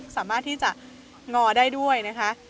สามารถที่จะงอได้ด้วยนะคะ